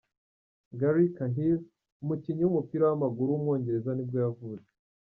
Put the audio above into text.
Gary Cahill, umukinnyi w’umupira w’amaguru w’umwongereza nibwo yavutse.